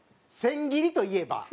「千切りといえば？」。